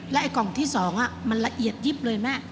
ไอ้กล่องที่๒มันละเอียดยิบเลยแม่